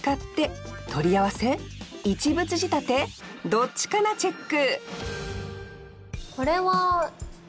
どっちかなチェック！